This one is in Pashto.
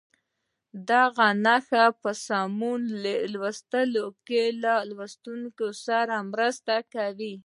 دغه نښې په سمو لوستلو کې له لوستونکي سره مرسته کوي.